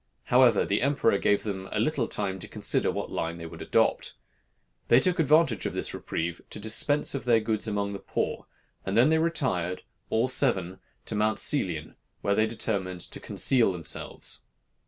However, the emperor gave them a little time to consider what line they would adopt. They took advantage of this reprieve to dispense their goods among the poor, and then they retired, all seven, to Mount Celion, where they determined to conceal themselves.